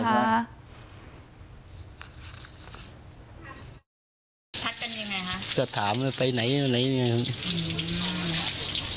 ทักกันยังไงฮะก็ถามว่าไปไหนไหนอืมอืม